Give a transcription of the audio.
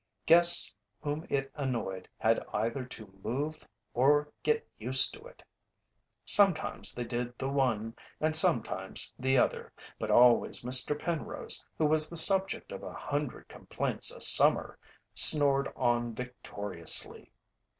Guests whom it annoyed had either to move or get used to it. Sometimes they did the one and sometimes the other, but always Mr. Penrose, who was the subject of a hundred complaints a summer, snored on victoriously.